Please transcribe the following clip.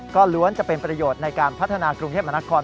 ก็ล้วนจะเป็นประโยชน์ในการพัฒนากรุงเทพมนาคม